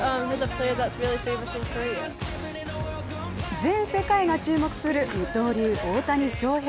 全世界が注目する二刀流・大谷翔平。